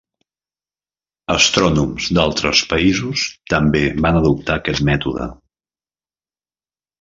Astrònoms d'altres països també van adoptar aquest mètode.